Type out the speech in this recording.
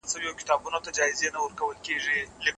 هغه سړی چي ليدلی و ليکوال و.